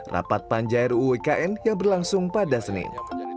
rapat panjair uwkn yang berlangsung pada senin